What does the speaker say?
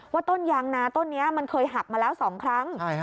ต้นยางนาต้นนี้มันเคยหักมาแล้ว๒ครั้ง